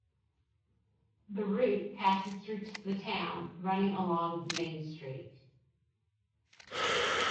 The route passes through the town, running along Main Street.